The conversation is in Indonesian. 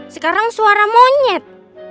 sekarang suara monyet